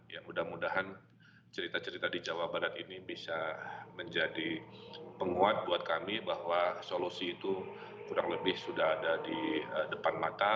ya mudah mudahan cerita cerita di jawa barat ini bisa menjadi penguat buat kami bahwa solusi itu kurang lebih sudah ada di depan mata